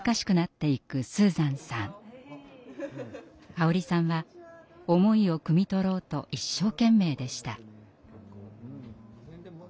香織さんは思いをくみ取ろうと一生懸命でした。